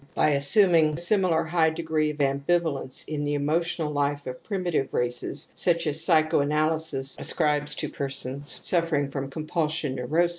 By assuming a similar high degree of ambivalence in the emotional life of primitive races such as psychoanalysis ascribes to persons suffering from compulsion neurosi?